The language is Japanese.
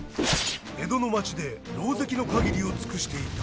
江戸の街でろうぜきの限りを尽くしていた。